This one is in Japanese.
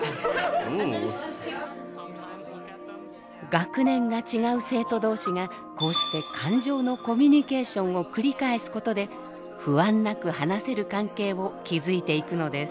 学年が違う生徒同士がこうして感情のコミュニケーションを繰り返すことで不安なく話せる関係を築いていくのです。